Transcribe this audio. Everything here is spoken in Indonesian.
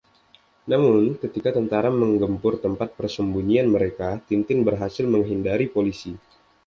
Namun, ketika tentara menggempur tempat persembunyian mereka, Tintin berhasil menghindari polisi.